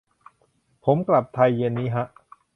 ผมกลับไทยเย็นนี้ฮะ